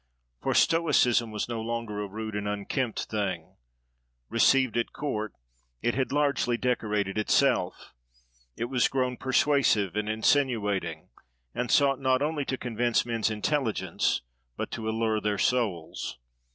For Stoicism was no longer a rude and unkempt thing. Received at court, it had largely decorated itself: it was grown persuasive and insinuating, and sought not only to convince men's intelligence but to allure their souls.